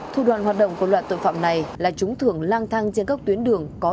thu đoàn hoạt động của loạt tội phạm này là chúng thường lang thang trên các tuyến đường